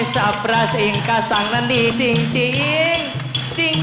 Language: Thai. สับประสิทธิ์ก็สั่งนั้นดีจริง